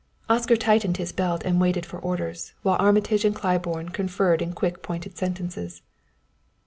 Oscar tightened his belt and waited for orders, while Armitage and Claiborne conferred in quick pointed sentences.